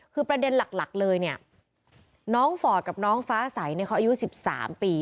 คือประเด็นหลักเลยเนี่ยน้องฟอร์ดกับน้องฟ้าใสเนี่ยเขาอายุ๑๓ปี